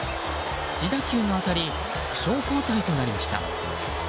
自打球が当たり負傷交代となりました。